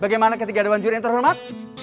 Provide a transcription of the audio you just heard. bagaimana ketiga dewan juri yang terhormat